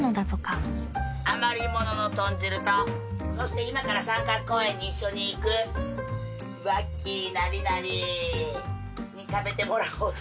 余り物の豚汁とそして今から三角公園に一緒に行くわっき☆なりなりに食べてもらおうと思います。